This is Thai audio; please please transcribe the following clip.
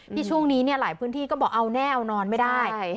ที่ช่วงนี้หลายพื้นที่ก็บอกเอาแน่เอานอนไม่ได้